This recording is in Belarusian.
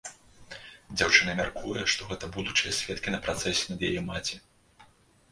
Дзяўчына мяркуе, што гэта будучыя сведкі на працэсе над яе маці.